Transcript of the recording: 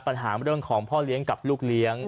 ปัญหาเรื่องของพ่อเลี้ยงกับลูกเลี้ยง